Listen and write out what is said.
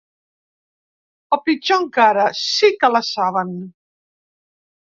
O pitjor encara: sí que la saben.